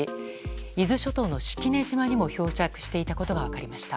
伊豆諸島の式根島にも漂着していたことが分かりました。